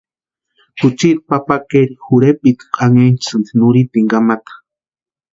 Juchiti papa kʼeri jorhepitku anhinchasïni nurhiteni kamata.